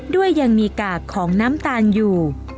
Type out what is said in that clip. ยังมีกากของน้ำตาลอยู่